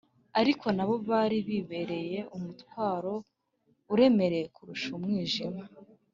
ariko na bo bari bibereye umutwaro uremereye kurusha umwijima.